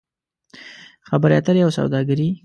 خبرې اترې او سوداګري